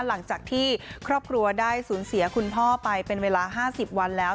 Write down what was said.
หลังจากที่ครอบครัวได้สูญเสียคุณพ่อไปเป็นเวลา๕๐วันแล้ว